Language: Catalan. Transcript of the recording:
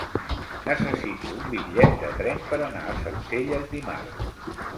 Necessito un bitllet de tren per anar a Sencelles dimarts.